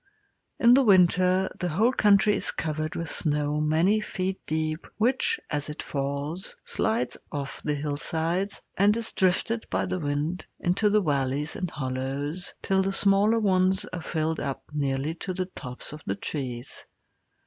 In the winter the whole country is covered with snow many feet deep, which, as it falls, slides off the hillsides, and is drifted by the wind into the valleys and hollows till the smaller ones are filled up nearly to the tops of the trees.